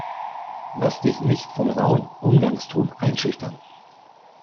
Lass dich nicht vom rauen Umgangston einschüchtern!